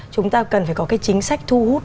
chúng ta cần phải có cái chính sách thu hút